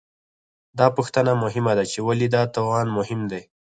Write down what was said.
دا پوښتنه مهمه ده، چې ولې دا توان مهم دی؟